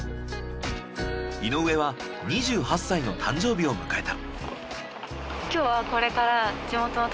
井上は２８歳の誕生日を迎えた。